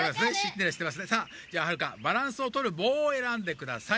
さあじゃあはるかバランスをとるぼうをえらんでください。